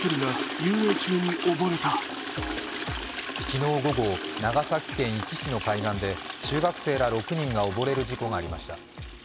昨日午後、長崎県壱岐市の海岸で中学生ら６人が溺れる事故がありました。